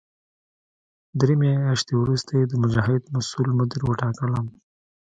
درې میاشتې وروسته یې د مجاهد مسوول مدیر وټاکلم.